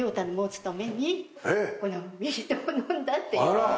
あら！